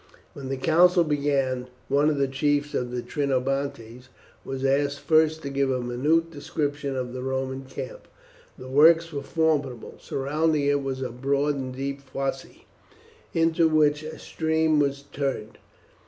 When the council began, one of the chiefs of the Trinobantes was asked first to give a minute description of the Roman camp. The works were formidable. Surrounding it was a broad and deep fosse, into which a stream was turned.